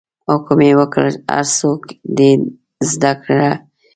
حکم یې وکړ هر څوک دې زده کړه کوي.